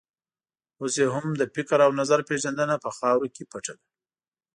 اوس یې هم د فکر او نظر پېژندنه په خاورو کې پټه ده.